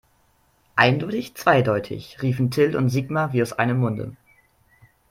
Eindeutig zweideutig, riefen Till und Sigmar wie aus einem Munde.